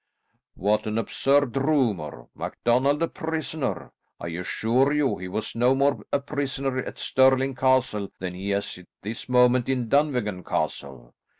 "What an absurd rumour. MacDonald a prisoner! I assure you he was no more a prisoner at Stirling Castle than he is at this moment in Dunvegan Castle."